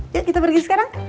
yuk kita pergi sekarang